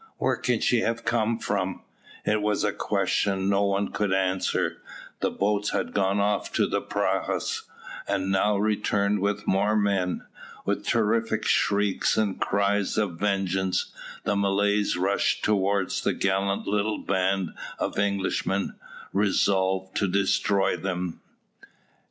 Where can she have come from?" It was a question no one could answer. The boats had gone off to the prahus, and now returned with more men. With terrific shrieks and cries of vengeance, the Malays rushed towards the gallant little band of Englishmen, resolved to destroy them.